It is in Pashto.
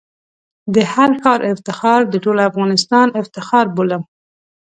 د هر ښار افتخار د ټول افغانستان افتخار بولم.